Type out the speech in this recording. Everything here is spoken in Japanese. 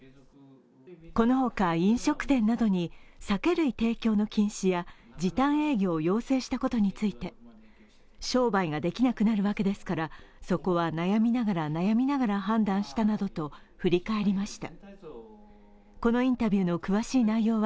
この他、飲食店などに酒類提供の禁止や時短営業を要請したことについて、商売ができなくなるわけですからそこは悩みながら悩みながら判断したなどと振り返りました。